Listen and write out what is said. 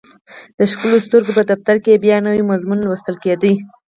د ښکلو سترګو په دفتر کې یې بیا یو نوی مضمون لوستل کېده